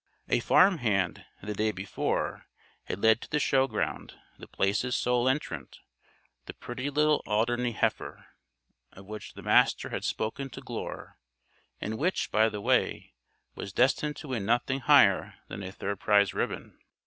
A farm hand, the day before, had led to the show ground The Place's sole entrant the pretty little Alderney heifer of which the Master had spoken to Glure and which, by the way, was destined to win nothing higher than a third prize ribbon.